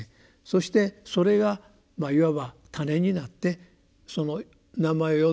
そしてそれがいわば種になってその名前を呼んでいる人に働く。